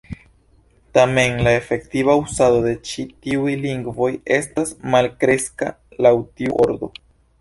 Tamen, la efektiva uzado de ĉi tiuj lingvoj estas malkreska laŭ tiu ordo.